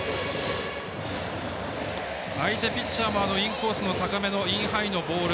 相手ピッチャーもインコースの高めのインハイのボール。